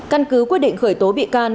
căn cứ quyết định khởi tố bị can